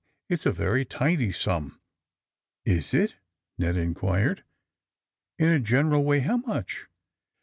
It's a very tidy sum." ^ '^Is it?" Ned inquired. *'In a general way, how much?"